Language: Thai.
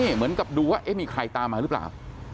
เหมือนกับดูว่ามีใครตามมาหรือเปล่า